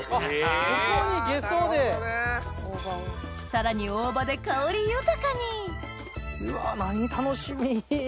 さらに大葉で香り豊かにうわ楽しみ。